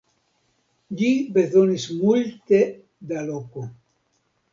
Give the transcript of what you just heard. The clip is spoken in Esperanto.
Ĝi bezonis multe da loko.